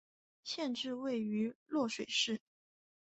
县治位于漯水市。